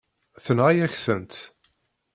Tenɣa-yak-tent.